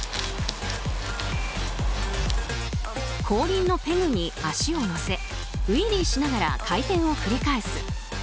後輪のペグに足を乗せウィリーしながら回転を繰り返す